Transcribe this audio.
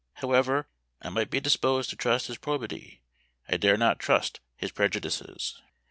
However I might be disposed to trust his probity, I dare not trust his prejudices.